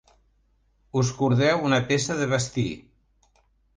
Us cordeu una peça de vestir.